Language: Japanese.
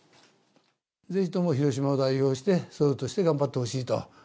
ぜひとも広島を代表して、総理として頑張ってほしいと。